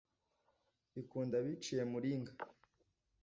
ikunda abaciye muringa